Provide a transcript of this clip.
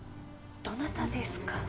どなたですか？